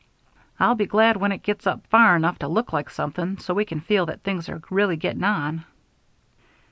"I'll be glad when it gets up far enough to look like something, so we can feel that things are really getting on."